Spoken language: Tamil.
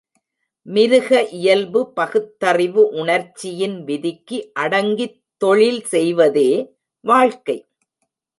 மிருக இயல்பு பகுத்தறிவு உணர்ச்சியின் விதிக்கு அடங்கித் தொழில் செய்வதே வாழ்க்கை.